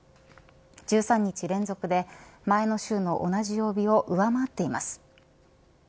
１３日連続で前の週の同じ曜日を上回っています。